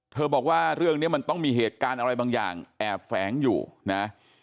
บอกว่าเรื่องนี้มันต้องมีเหตุการณ์อะไรบางอย่างแอบแฝงอยู่นะ